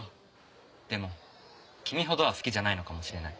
でも君ほどは好きじゃないのかもしれない。